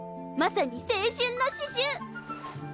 まさに青春の刺しゅう！